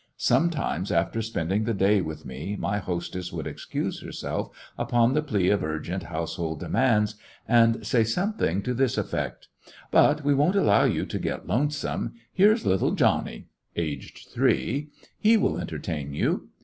Sometimes, after spend ing the day with me, my hostess would excuse herself, upon the plea of urgent household de mands, and say something to this effect : "But we won't allow you to get lonesome. Here 's little Johnny'' (aged three) ; "he will entertain you."